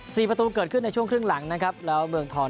ประตูเกิดขึ้นในช่วงครึ่งหลังนะครับแล้วเมืองทอง